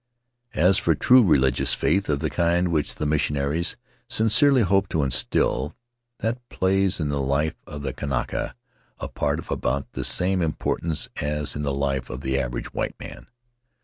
"As for true religious faith of the kind which the missionaries sincerely hoped to instill, that plays in the life of the Kanaka a part of about the same impor tance as in the life of the average white man.